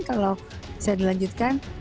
kalau bisa dilanjutkan